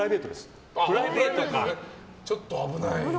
ちょっと危ない。